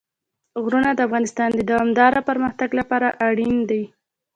غرونه د افغانستان د دوامداره پرمختګ لپاره اړین دي.